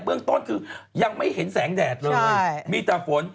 เรื่องต้นคือยังไม่เห็นแสงแดดเลยมีแต่ฝน